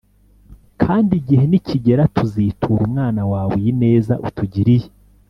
kandi igihe nikigera tuzitura umwana wawe iyi neza utugiriye."